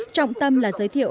trọng tâm là giới thiệu